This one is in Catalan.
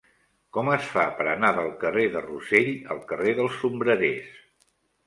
Com es fa per anar del carrer de Rossell al carrer dels Sombrerers?